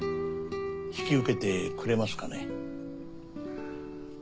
引き受けてくれますかね？